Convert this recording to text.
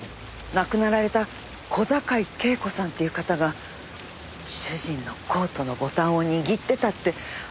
亡くなられた小坂井恵子さんっていう方が主人のコートのボタンを握ってたって。